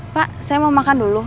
pak saya mau makan dulu